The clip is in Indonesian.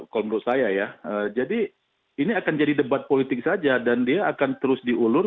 kalau menurut saya ya jadi ini akan jadi debat politik saja dan dia akan terus diulur